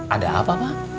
ada apa pak